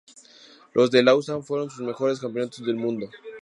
Los de Lausana fueron su mejores Campeonatos del Mundo.